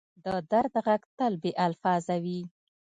د درد ږغ تل بې الفاظه وي.